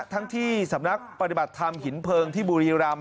ทั้งที่สำนักปฏิบัติธรรมหินเพลิงที่บุรีรำ